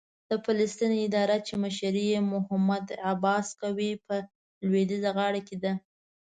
د فلسطین اداره چې مشري یې محمود عباس کوي، په لوېدیځه غاړه کې ده.